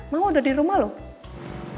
mama udah di rumah loh